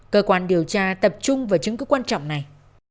cơ quan điều tra tập trung vào chứng cứ quan trọng này